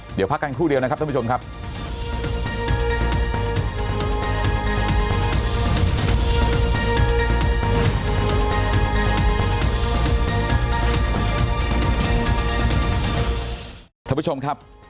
เดี๋ยวพักกันครู่เดียวนะครับท่านผู้ชมครับ